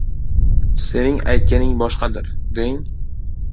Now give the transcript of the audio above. — Sening aytganing boshqadir, deng!